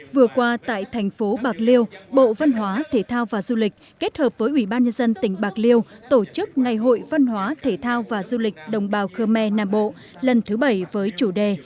vừa qua tại thành phố bạc liêu bộ văn hóa thể thao và du lịch kết hợp với ủy ban nhân dân tỉnh bạc liêu tổ chức ngày hội văn hóa thể thao và du lịch đồng bào khơ me nam bộ lần thứ bảy với chủ đề